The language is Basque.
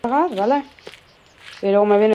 Bada, animatu zaitez zeu ere egiten!